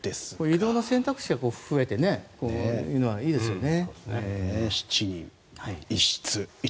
移動の選択肢が増えていいですよね。